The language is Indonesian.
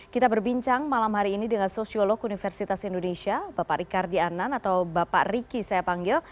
kita berbincang malam hari ini dengan sosiolog universitas indonesia bapak rikardi anan atau bapak riki saya panggil